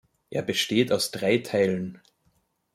Er besteht aus drei Teilen.